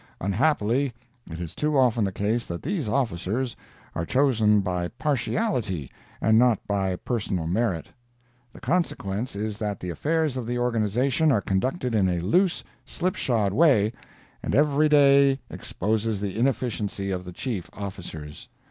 Unhappily, it is too often the case that these officers are chosen by partiality, and not by personal merit. The consequence is that the affairs of the organization are conducted in a loose, slipshod way, and every day exposes the inefficiency of the chief officers.